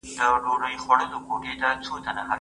ډیپلوماټیک استازي باید د هېواد د ګټو واقعي ساتونکي وي.